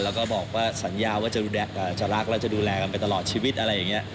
แล้วก็บอกว่าสัญญาว่าจะรักและจะดูแลกันไปตลอดชีวิตอะไรอย่างนี้